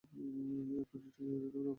এক মিনিট, কিয়োটোয় নামার কথা না?